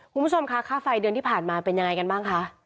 คุณผู้ชมคะค่าไฟเดือนที่ผ่านมาเป็นยังไงกันบ้างคะ